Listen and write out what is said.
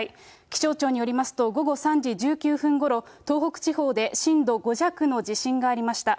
気象庁によりますと、午後３時１９分ごろ、東北地方で震度５弱の地震がありました。